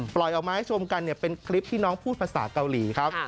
ออกมาให้ชมกันเป็นคลิปที่น้องพูดภาษาเกาหลีครับ